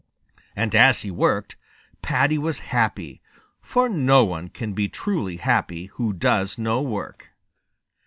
And as he worked, Paddy was happy, for one can never be truly happy who does no work.